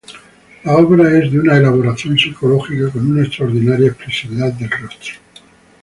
La obra es de una elaboración psicológica con una extraordinaria expresividad del rostro.